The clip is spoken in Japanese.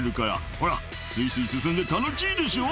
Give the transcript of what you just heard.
「ほらスイスイ進んで楽ちいでしょ」